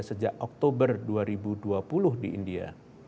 sejak oktober dua ribu dua puluh di india